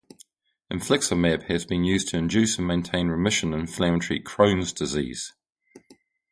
Infliximab has been used to induce and maintain remission in inflammatory Crohn's disease.